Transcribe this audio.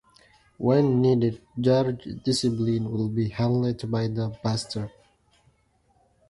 When needed, church discipline will be handled by the pastor.